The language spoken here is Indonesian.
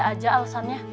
ada aja alesannya